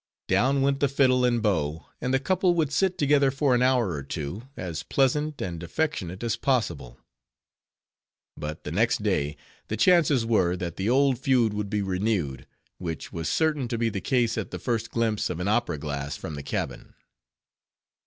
Down went fiddle and bow; and the couple would sit together for an hour or two, as pleasant and affectionate as possible. But the next day, the chances were, that the old feud would be renewed, which was certain to be the case at the first glimpse of an opera glass from the cabin.